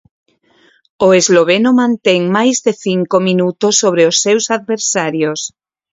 O esloveno mantén máis de cinco minutos sobre os seus adversarios.